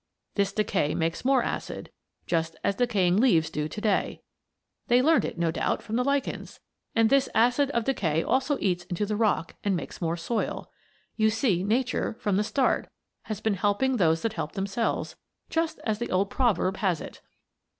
This decay makes more acid, just as decaying leaves do to day they learned it, no doubt, from the lichens and this acid of decay also eats into the rock and makes more soil. (You see nature, from the start, has been helping those that help themselves, just as the old proverb has it.)